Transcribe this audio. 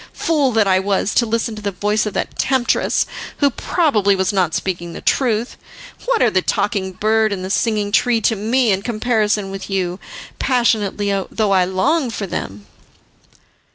Fool that I was to listen to the voice of that temptress, who probably was not speaking the truth. What are the Talking Bird and the Singing Tree to me in comparison with you, passionately though I long for them!"